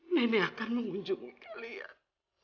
nenek akan mengunjungi kalian